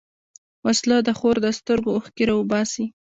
وسله د خور د سترګو اوښکې راوباسي